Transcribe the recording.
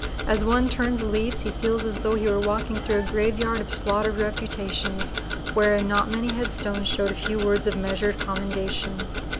As one turns the leaves he feels as though he were walking through a graveyard of slaughtered reputations wherein not many headstones show a few words of measured commendation.